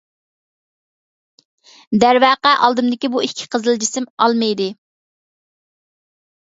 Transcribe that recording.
دەرۋەقە ئالدىمدىكى بۇ ئىككى قىزىل جىسىم ئالما ئىدى.